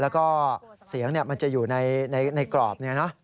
ก็เสียงมันจะอยู่ในกรอบ